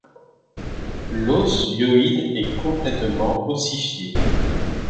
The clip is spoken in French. L'os hyoïde est complètement ossifié.